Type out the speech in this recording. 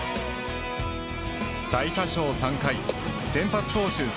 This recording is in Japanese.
最多勝３回先発投手